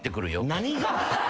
何が？